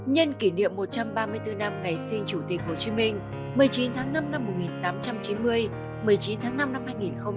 nhân kỷ niệm một trăm ba mươi bốn năm ngày sinh chủ tịch hồ chí minh một mươi chín tháng năm năm một nghìn tám trăm chín mươi một mươi chín tháng năm năm hai nghìn hai mươi bốn